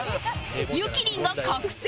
ゆきりんが覚醒？